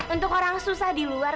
untuk orang susah di luar